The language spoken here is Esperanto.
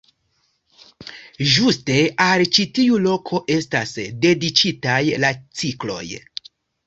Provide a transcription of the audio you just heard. Ĝuste al ĉi tiu loko estas dediĉitaj la cikloj.